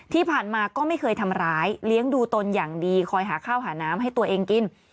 ที่ผ่านมาก็ไม่เคยทำร้ายเลี้ยงดูตนอย่างดีคอยหาข้าวหาน้ำให้ตัวเองกิน